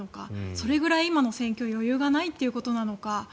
それぐらい今の戦況に余裕がないということなのか